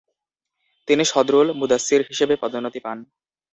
তিনি সদরুল মুদাররিস হিসেবে পদোন্নতি পান।